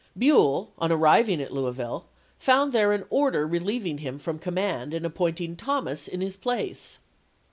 Buell, on arriving at Louisville, found there an order relieving him from command, and appointing Thomas in his place.